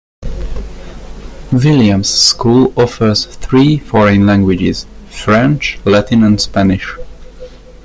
Williams school offers three foreign languages: French, Latin, and Spanish.